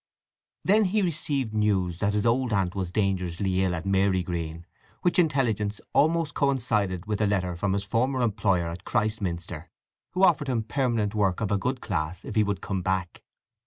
Then he received news that his old aunt was dangerously ill at Marygreen, which intelligence almost coincided with a letter from his former employer at Christminster, who offered him permanent work of a good class if he would come back.